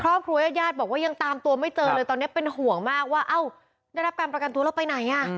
ญาติญาติบอกว่ายังตามตัวไม่เจอเลยตอนนี้เป็นห่วงมากว่าเอ้าได้รับการประกันตัวแล้วไปไหนอ่ะ